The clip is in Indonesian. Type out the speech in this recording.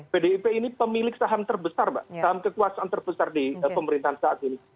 pdip ini pemilik saham terbesar saham kekuasaan terbesar di pemerintahan saat ini